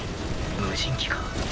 無人機か。